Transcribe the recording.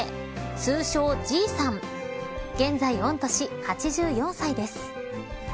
通称Ｇ３現在、御年８４歳です。